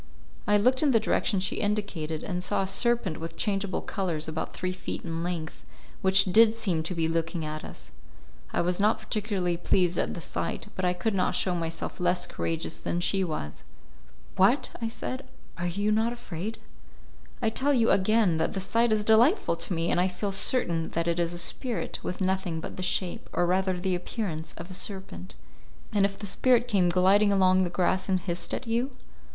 I looked in the direction she indicated, and saw a serpent with changeable colours about three feet in length, which did seem to be looking at us. I was not particularly pleased at the sight, but I could not show myself less courageous than she was. "What!" said I, "are you not afraid?" "I tell you, again, that the sight is delightful to me, and I feel certain that it is a spirit with nothing but the shape, or rather the appearance, of a serpent." "And if the spirit came gliding along the grass and hissed at you?"